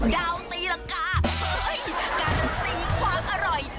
ดาวตีละกาเฮ้ยการันตีความอร่อย